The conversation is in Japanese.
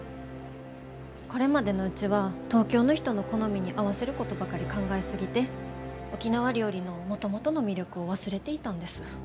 これまでのうちは東京の人の好みに合わせることばかり考え過ぎて沖縄料理のもともとの魅力を忘れていたんです。